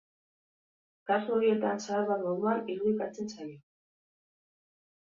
Kasu horietan zahar bat moduan irudikatzen zaio.